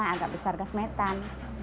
agak besar gas metan